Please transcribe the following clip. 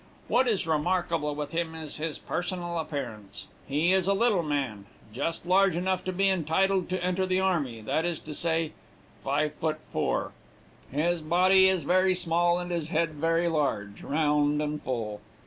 What is remarkable with him is his personal appearance. He is a little man, just large enough to be entitled to enter the army that is to say, 'five foot four.' His body is very small, and his head very large, round, and full.